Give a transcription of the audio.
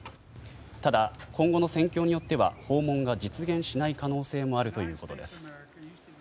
ただ、今後の戦況によっては訪問が実現しない可能性もあるということです。